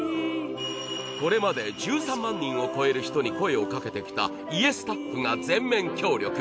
これまで１３万人を超える人に声をかけてきた「家」スタッフが全面協力。